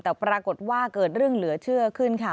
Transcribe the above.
แต่ปรากฏว่าเกิดเรื่องเหลือเชื่อขึ้นค่ะ